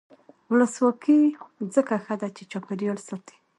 ولسواکي ځکه ښه ده چې چاپیریال ساتي.